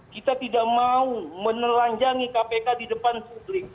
kita tidak mau menelanjangi kpk di depan publik